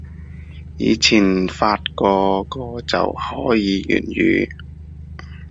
以前發個個就可以粵語